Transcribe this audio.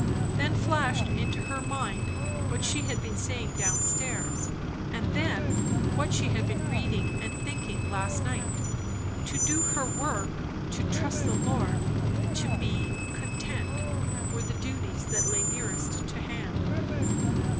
Then flashed into her mind what she had been saying down stairs; and then, what she had been reading and thinking last night. To do her work, to trust the Lord, and to be content, were the duties that lay nearest to hand.